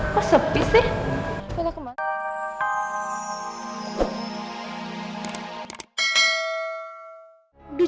kok sepi sih